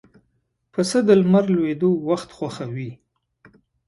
پسه د لمر لوېدو وخت خوښوي.